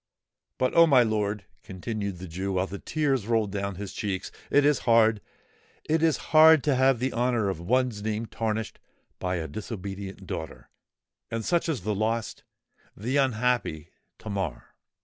But, oh! my lord," continued the Jew, while tears rolled down his cheeks, "it is hard—it is hard to have the honour of one's name tarnished by a disobedient daughter:—and such is the lost—the unhappy Tamar!"